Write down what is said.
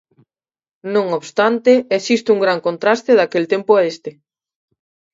Non obstante, existe un gran contraste daquel tempo a este.